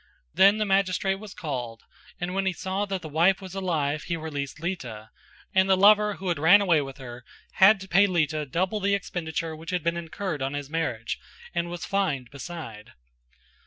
Then the magistrate was called and when he saw that the wife was alive he released Lita, and the lover who had run away with her had to pay Lita double the expenditure which had been incurred on his marriage, and was fined beside.